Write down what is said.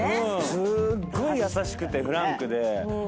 すっごい優しくてフランクで。